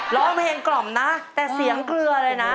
ร้องเพลงกล่อมนะแต่เสียงเกลือเลยนะ